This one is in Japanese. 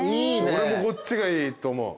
俺もこっちがいいと思う。